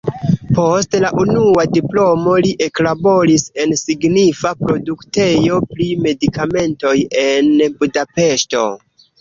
Post la unua diplomo li eklaboris en signifa produktejo pri medikamentoj en Budapeŝto.